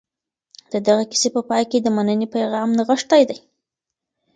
د دغي کیسې په پای کي د مننې پیغام نغښتی دی.